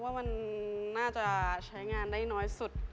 ว่ามันน่าจะใช้งานได้น้อยสุด